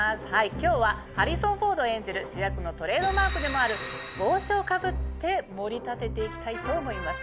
今日はハリソン・フォード演じる主役のトレードマークでもある帽子をかぶってもり立てていきたいと思います。